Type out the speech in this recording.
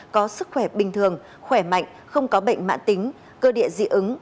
có sức khỏe bình thường khỏe mạnh không có bệnh mạng tính cơ địa dị ứng